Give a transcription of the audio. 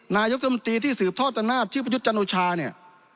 นายกฯมตรีที่สื่อท็อตตระนาบชื่อประยุทธจันนุชฌาเนี่ย